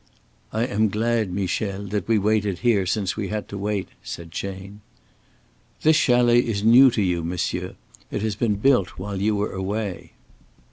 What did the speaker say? "I am glad, Michel, that we waited here since we had to wait," said Chayne. "This chalet is new to you, monsieur. It has been built while you were away."